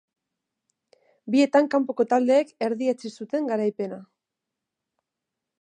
Bietan kanpoko taldeek erdietsi zuten garaipena.